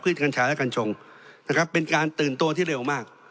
กัญชาและกัญชงนะครับเป็นการตื่นตัวที่เร็วมาก